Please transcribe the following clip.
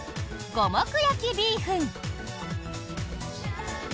五目焼きビーフン。